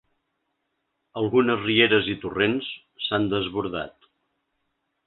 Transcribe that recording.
Algunes rieres i torrents s’han desbordat.